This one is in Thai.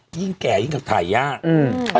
ยิ่งแก่ยิ่งกับถ่ายยากอืม